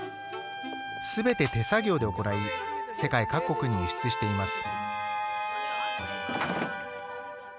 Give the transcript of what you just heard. すべて手作業で行い世界各国に輸出しています。